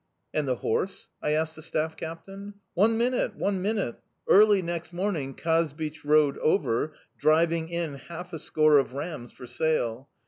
"And the horse?" I asked the staff captain. "One minute! One minute! Early next morning Kazbich rode over, driving in half a score of rams for sale.